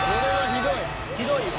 ひどいわ。